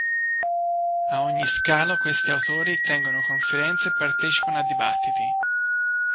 A ogni scalo, questi autori tengono conferenze e partecipano a dibattiti.